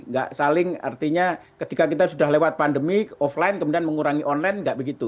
nggak saling artinya ketika kita sudah lewat pandemi offline kemudian mengurangi online nggak begitu